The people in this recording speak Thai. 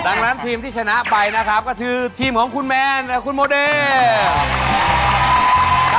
ดังนั้นทีมที่ชนะไปนะครับก็คือทีมของคุณแมนและคุณโมเดย์